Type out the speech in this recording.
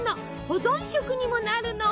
保存食にもなるの。